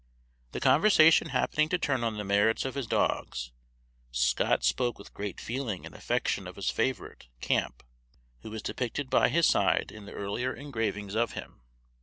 The conversation happening to turn on the merits of his dogs, Scott spoke with great feeling and affection of his favorite, Camp, who is depicted by his side in the earlier engravings of him.